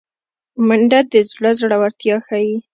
منډه د زړه زړورتیا ښيي